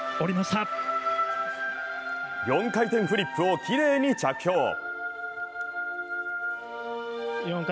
４回転フリップをきれいに着氷。